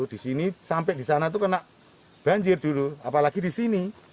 di sini sampai di sana itu kena banjir dulu apalagi di sini